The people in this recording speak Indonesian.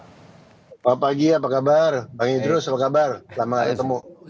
selamat pagi apa kabar bang idrus apa kabar selamat ketemu